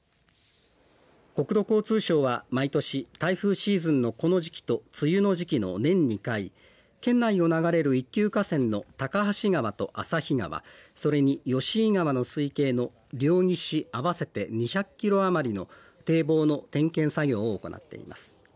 国土交通省は毎年台風シーズンのこの時期と梅雨の時期の年２回、県内を流れる１級河川の高梁川と旭川、それに吉井川の水系の両岸合わせて２００キロ余りの堤防の点検作業を行っています。